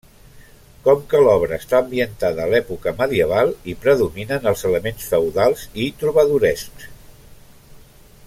Com que l'obra està ambientada a l'època medieval, hi predominen els elements feudals i trobadorescs.